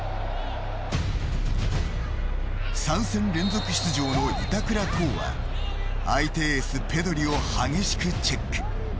３戦連続出場の板倉滉は相手エースペドリを激しくチェック。